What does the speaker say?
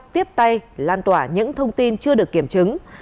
tiếp tay lan tỏa những thông tin chưa được kiểm chứng